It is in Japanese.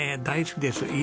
大好きです。